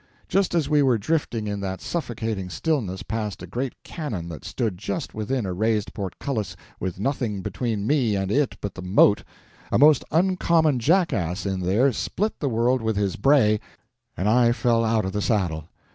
Just as we were drifting in that suffocating stillness past a great cannon that stood just within a raised portcullis, with nothing between me and it but the moat, a most uncommon jackass in there split the world with his bray, and I fell out of the saddle.